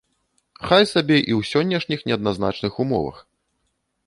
Хай сабе і ў сённяшніх неадназначных умовах.